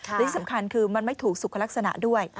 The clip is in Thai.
ที่สำคัญคือมันไม่ถูกสุขลักษณะด้วย